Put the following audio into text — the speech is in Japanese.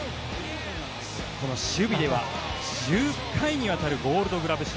守備では１０回にわたるゴールドグラブ賞。